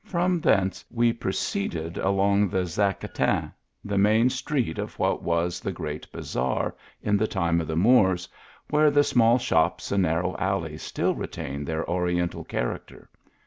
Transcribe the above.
From thence we proceeded along the Zacatin, the main street of what was the great Bazaar, in the time of the Moors, where the small shops and narrow alleys stiil retain their Ori ental character.